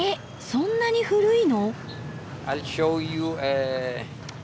そんなに古いの！？